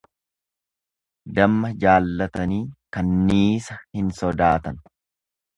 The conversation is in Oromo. Damma jaallatanii kanniisa hin sodaatan.